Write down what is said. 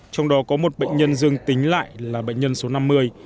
trong đó có một bệnh nhân dương tính lại là bệnh nhân số năm mươi